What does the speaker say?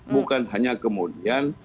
bukan hanya kemudian